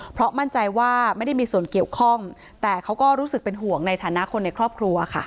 เพราะมั่นใจว่าไม่ได้มีส่วนเกี่ยวข้องแต่เขาก็รู้สึกเป็นห่วงในฐานะคนในครอบครัวค่ะ